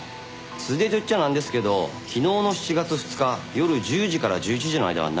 ついでと言っちゃなんですけど昨日の７月２日夜１０時から１１時の間は何を？